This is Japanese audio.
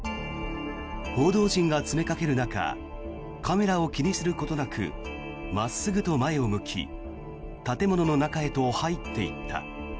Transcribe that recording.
報道陣が詰めかける中カメラを気にすることなく真っすぐと前を向き建物の中へと入っていった。